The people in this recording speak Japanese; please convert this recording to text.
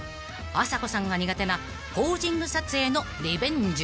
［あさこさんが苦手なポージング撮影のリベンジ］